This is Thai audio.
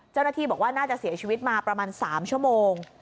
เจ้าหน้าที่บอกว่าน่าจะเสียชีวิตมาประมาณ๓ชั่วโมง